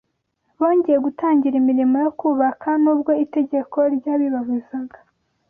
Bongeye gutangira imirimo yo kubaka, n’ubwo itegeko ryabibabuzaga